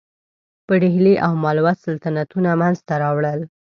په ډهلي او مالوه کې سلطنتونه منځته راوړل.